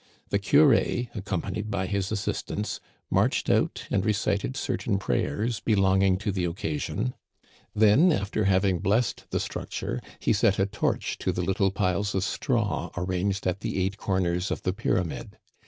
The curé, accom panied by his assistants, marched out and recited cer tain prayers belonging to the occasion ; then, after hav ing blessed the structure, he set a torch to the little piles of straw arranged at the eight comers of the pyramid.